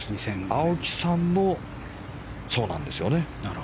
青木さんもそうなんですよね。